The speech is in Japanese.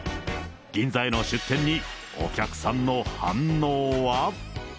銀座への出店に、お客さんの反応は。